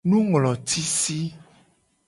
Nunglotisi.